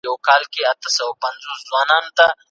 استازي به د بهرنيو مرستو د مصرف روڼتيا وڅېړي.